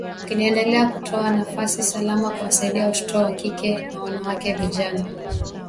kinaendelea kutoa nafasi salama kuwasaidia watoto wa kike na wanawake vijana